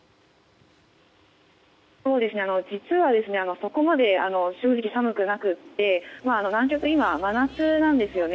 実は、そこまで正直寒くなくて南極は今、真夏なんですよね。